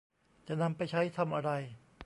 จะนำไปใช้ทำอะไร